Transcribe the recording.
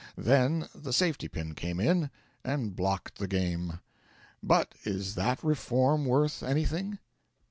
Then the safety pin came in and blocked the game. But is that reform worth anything?